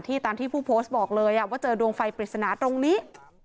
ตามที่ผู้โพสต์บอกเลยว่าเจอดวงไฟปริศนาตรงนี้